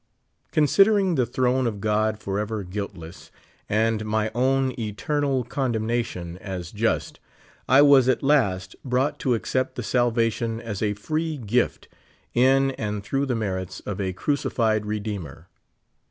Considering the throne of God forever guiltless, and my own eternal condemnation as just, I was at last brought to accept of salvation as a free gift, in and through the merits of a crucified Redeemer.